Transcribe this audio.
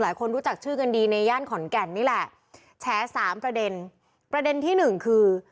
รู้จักชื่อกันดีในย่านขอนแก่นนี่แหละแฉสามประเด็นประเด็นที่หนึ่งคือ